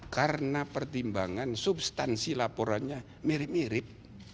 karena pertimbangan substansi laporannya mirip mirip